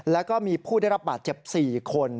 แล้วก็มีผู้ได้รับบาดเจ็บ๔คน